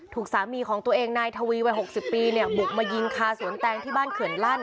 ถูกสามีของตัวเองนายทวีวัย๖๐ปีเนี่ยบุกมายิงคาสวนแตงที่บ้านเขื่อนลั่น